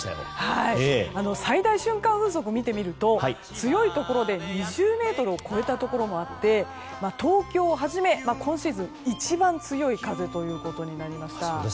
最大瞬間風速を見てみると強いところで２０メートルを超えたところもあって東京をはじめ今シーズン一番強い風となりました。